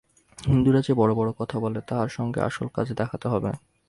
হিন্দুরা যে বড় বড় কথা বলে, তার সঙ্গে আসল কাজ দেখাতে হবে।